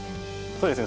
そうですね。